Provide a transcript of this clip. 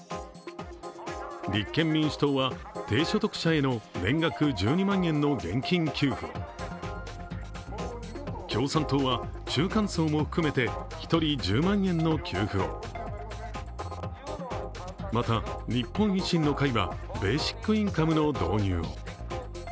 立憲民主党は、低所得者への年額１２万円の現金給付を共産党は中間層も含めて１人１０万円の給付を、また、日本維新の会はベーシックインカムの導入を。